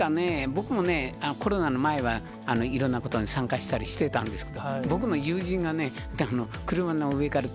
僕もね、コロナの前は、いろんなことに参加したりしてたんですけど、僕の友人がね、本当ですか。